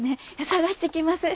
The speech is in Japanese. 探してきます。